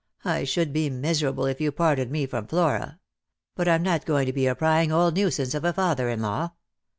I should be miserable if you parted me from Flora. But I'm not going to be a prying old nuisance of a father in law.